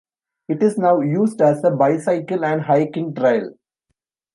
It is now used as a bicycle and hiking trail.